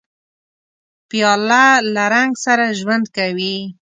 پیاله له رنګ سره ژوند کوي.